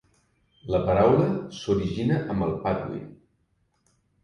La paraula s'origina amb el Patwin.